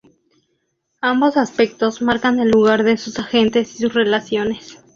Ambos aspectos marcan el lugar de sus agentes y sus relaciones.